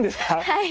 はい！